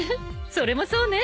それもそうね。